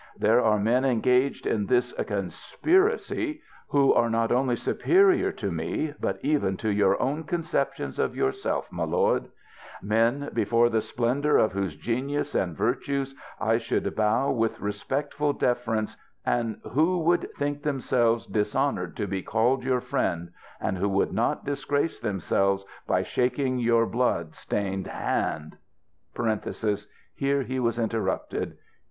There are men engaged in this conspiracy, who are not only superior to me, but even to your own conceptions of yourself, my lord ; men, before the splendor of whose genuis and virtues, I should bow with respectful deference, and who would think themselves dis honoured to be called your friend ŌĆö who would not disgrace themselves by shaking your blood stained hand ŌĆö [Here he was interrupted.